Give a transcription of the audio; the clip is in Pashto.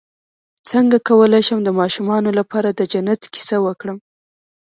څنګه کولی شم د ماشومانو لپاره د جنت کیسه وکړم